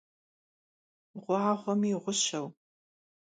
Ğuağuemi ğuşeu.